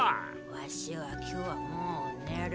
ワシは今日はもう寝る。